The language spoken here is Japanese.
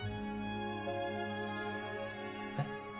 えっ？